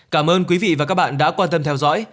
cảm ơn quý vị và các bạn đã quan tâm theo dõi